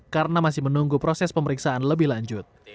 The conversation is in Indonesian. karena masih menunggu proses pemeriksaan lebih lanjut